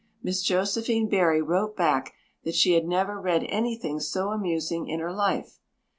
Miss Josephine Barry wrote back that she had never read anything so amusing in her life.